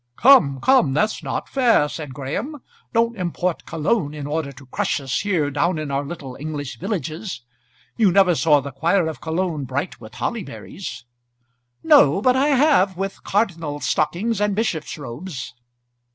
"Come, come; that's not fair," said Graham. "Don't import Cologne in order to crush us here down in our little English villages. You never saw the choir of Cologne bright with holly berries." "No; but I have with cardinal's stockings, and bishop's robes."